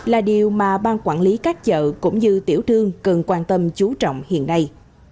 là điều mà bang quản lý các chợ cũng như tiểu thương cần quan tâm chú trọng hiện nay